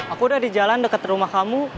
aku udah di jalan dekat rumah kamu